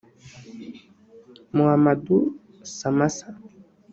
Mahamadou Samassa